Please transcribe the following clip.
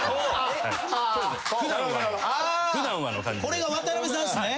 これが渡辺さんですね。